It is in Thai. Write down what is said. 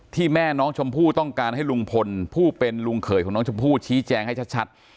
แม่น้องชมพู่ต้องการให้ลุงพลผู้เป็นลุงเขยของน้องชมพู่ชี้แจงให้ชัด